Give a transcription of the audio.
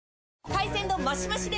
海鮮丼マシマシで！